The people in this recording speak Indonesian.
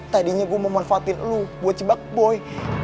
tadinya gue mau manfaatin lu buat jebak boy